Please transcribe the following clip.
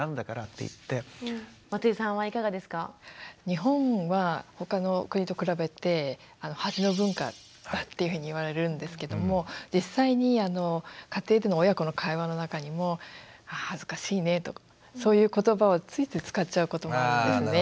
日本は他の国と比べて恥の文化だっていうふうに言われるんですけども実際に家庭での親子の会話の中にも「あ恥ずかしいね」とそういう言葉をついつい使っちゃうこともあるんですね。